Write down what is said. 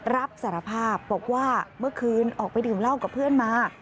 รับสารภาพบอกว่าเมื่อคืนออกไปดื่มเหล้ากับเพื่อนมา